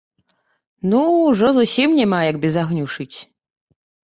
Ну, ужо зусім няма як без агню шыць!